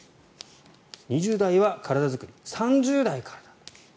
２０代は体作り３０代からだと。